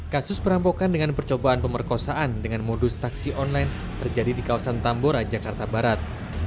kasus perampokan dengan percobaan pemerkosaan dengan modus taksi online terjadi di kawasan tambora jakarta barat